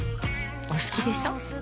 お好きでしょ。